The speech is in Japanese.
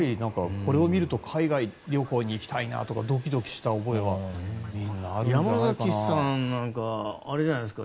これを見ると海外旅行に行きたいなとかドキドキした覚えはみんなあるんじゃないかな。